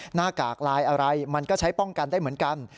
หน้ากากลายอะไรมันก็ใช้ป้องกันได้เหมือนกัน